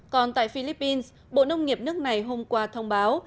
còn tại philippines bộ nông nghiệp nước này hôm qua thông báo